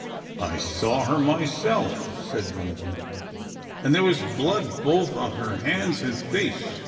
" I saw her myself," said one of them, ''and there was blood both on her hands and face.